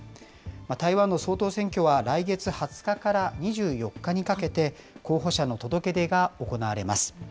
台湾の総統選挙は来月２０日から２４日にかけて、候補者の届け出が行われます。